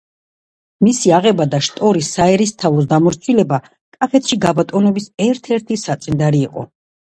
მისი აღება და შტორის საერისთავოს დამორჩილება, კახეთში გაბატონების ერთ-ერთი საწინდარი იყო.